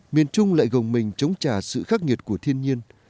miền trung lại gồng mình chống trả sự khắc nghiệt của thiên nhiên